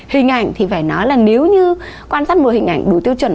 hình ảnh thì phải nói là nếu như quan sát một hình ảnh đủ tiêu chuẩn